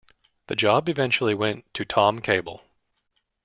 The job eventually went to Tom Cable.